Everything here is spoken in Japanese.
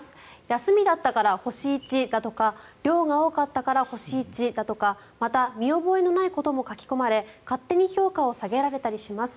休みだったから星１とか量が多かったから星１だとかまた、見覚えのないことも書き込まれ勝手に評価を下げられたりします。